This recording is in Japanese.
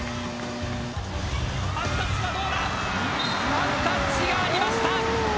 ワンタッチ、ありました。